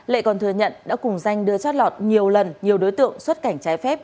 lệ còn thừa nhận đã cùng danh đưa chót lọt nhiều lần nhiều đối tượng xuất cảnh trái phép